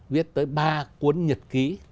viết tới ba cuốn nhật ký